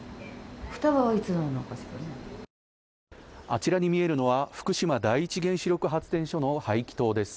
あちらに見えるのは福島第一原子力発電所の排気筒です。